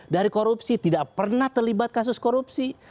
dari korupsi tidak pernah terlibat kasus korupsi